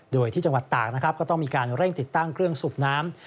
โดยที่จังหวัดตากนะครับก็ต้องมีการเร่งติดตั้งเครื่องสูบน้ำ